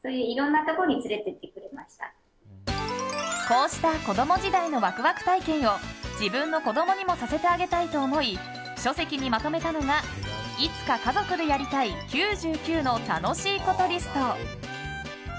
こうした子供時代のワクワク体験を自分の子供にもさせてあげたいと思い、書籍にまとめたのが「いつか家族でやりたい９９の楽しいことリスト」。